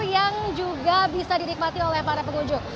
yang juga bisa dinikmati oleh para pengunjung